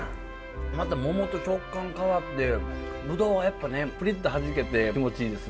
またモモと食感変わってブドウはやっぱねプリッとはじけて気持ちいいですね。